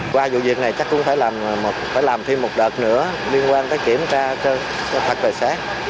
cái này chắc cũng phải làm thêm một đợt nữa liên quan tới kiểm tra cho thật về sát